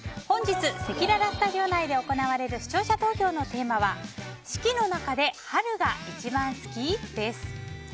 本日、せきららスタジオ内で行われる視聴者投票のテーマは四季の中で春が一番好き？です。